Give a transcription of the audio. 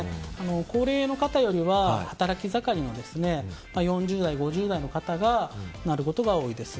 高齢の方よりは働き盛りの４０代、５０代の方がなることが多いです。